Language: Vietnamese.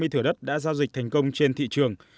thửa đất đã giao dịch thành công trên thị trường